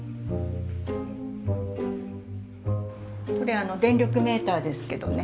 これ電力メーターですけどね